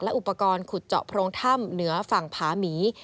อุปกรณ์ขุดเจาะโพรงถ้ำเหนือฝั่งผาหมี